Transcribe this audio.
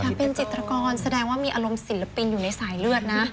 เป็นจิตรกรแสดงว่ามีอารมณ์ศิลปินอยู่ในสายเลือดนะ